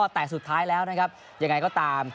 แต่สุดท้ายแล้วนะครับยังไงก็ตาม